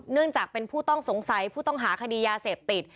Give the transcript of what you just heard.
เนื่องจากเป็นผู้ต้องสงสัยผู้ต้องหาคดียาเสพติด